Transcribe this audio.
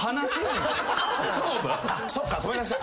そっかごめんなさい。